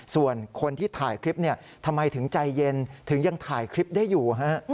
ส่วนคนที่ถ่ายคลิปเนี่ยทำไมถึงใจเย็นถึงยังถ่ายคลิปได้อยู่ฮะ